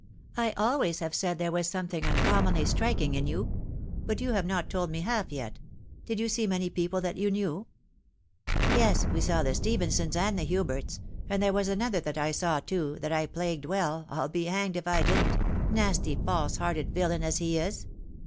I always have said there was something uncommonly striking in you. But you have not told me half yet. Did you see many people that you knew ?"" Yes ! we saw the Stephensons and the Hiiberts — and there was another that I saw, too, that I plagued well, I'll be hanged if I didn't — nasty, false hearted villain as he is